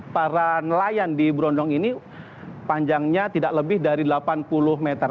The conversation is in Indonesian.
para nelayan di brondong ini panjangnya tidak lebih dari delapan puluh meter